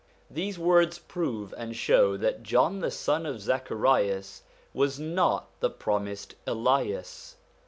These words prove and show that John the son of Zacharias was not the promised Elias.